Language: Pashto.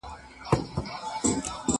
زه مکتب نه خلاصیږم!؟